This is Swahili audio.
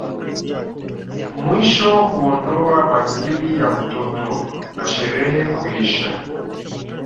Mwisho huondoa bangili ya mtoto na sherehe huisha